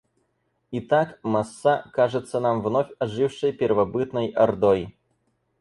Итак, масса кажется нам вновь ожившей первобытной ордой.